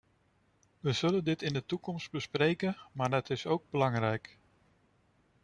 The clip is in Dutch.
We zullen dit in de toekomst bespreken, maar het is ook belangrijk.